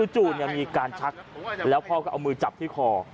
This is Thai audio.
จู่มีการชักแล้วพ่อก็เอามือจับที่คอ